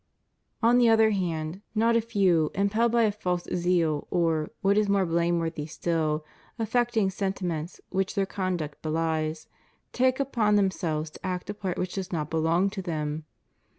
/) On the other hand, not a few, impelled by a false zeal, •^ or — ^what is more blameworthy still — affecting sentiments which their conduct beUes, take upon themselves to act a part which does not belong to them.